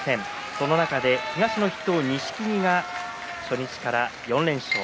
その中で東の筆頭、錦木が初日から４連勝。